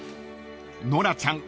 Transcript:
［ノラちゃん